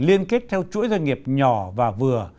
liên kết theo chuỗi doanh nghiệp nhỏ và vừa